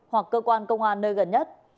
hoặc cơ quan công an nơi gần nhất